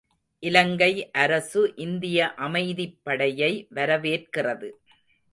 இலங்கை அரசு இந்திய அமைதிப்படையை வரவேற்கிறது.